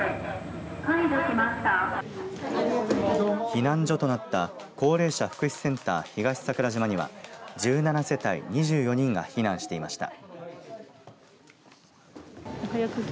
避難所となった高齢者福祉センター東桜島には１７世帯２４人が避難していました。